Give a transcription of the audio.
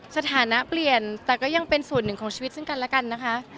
สถานะเปลี่ยนแต่ก็ยังเป็นส่วนหนึ่งของชีวิตซึ่งกันและกันนะคะ